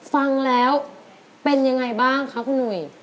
ฟังแล้วเป็นยังไงบ้างคะคุณหนุ่ย